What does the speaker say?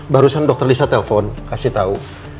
barusan dokter lisa telpon kasih tahu